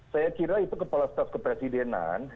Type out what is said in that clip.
saya kira itu kepala staf kepresidenan